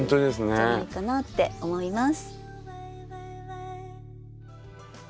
じゃないかなって思います。